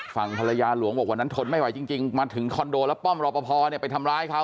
ฝั่งภรรยาหลวงบอกวันนั้นทนไม่ไหวจริงมาถึงคอนโดแล้วป้อมรอปภไปทำร้ายเขา